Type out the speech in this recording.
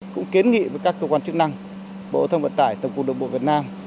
cũng kiến nghị với các cơ quan chức năng bộ thông vận tải tổng cụ động bộ việt nam